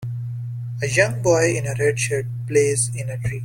A young boy in a red shirt plays in a tree.